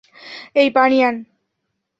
এই পানি আন।